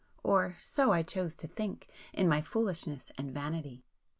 —or so I chose to think, in my foolishness and vanity!